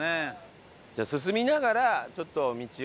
じゃあ進みながらちょっと道を。